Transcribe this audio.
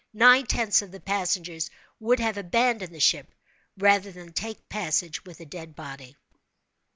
Nine tenths of the passengers would have abandoned the ship rather than take passage with a dead body.